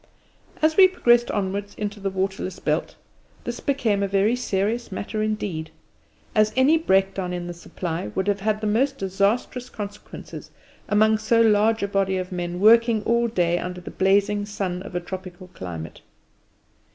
As we progressed onwards into the waterless belt, this became a very serious matter indeed, as any breakdown in the supply would have had the most disastrous consequences among so large a body of men working all day under the blazing sun of a tropical climate.